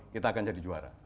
kita akan jadi juara